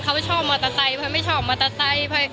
เขาไม่ชอบมอเตอร์ไซค์เขาไม่ชอบมอเตอร์ไซค์